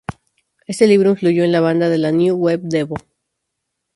Este libro influyó en la banda de la new wave devo.